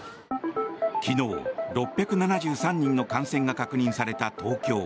昨日、６７３人の感染が確認された東京。